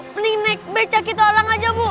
mending naik beca kita orang aja bu